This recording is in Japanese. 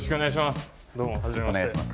お願いします。